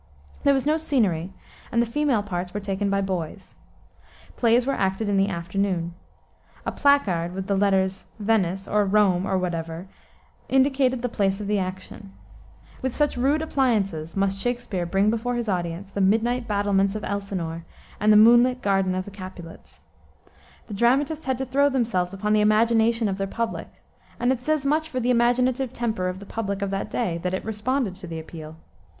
There was no scenery, and the female parts were taken by boys. Plays were acted in the afternoon. A placard, with the letters "Venice," or "Rome," or whatever, indicated the place of the action. With such rude appliances must Shakspere bring before his audience the midnight battlements of Elsinore and the moonlit garden of the Capulets. The dramatists had to throw themselves upon the imagination of their public, and it says much for the imaginative temper of the public of that day, that it responded to the appeal.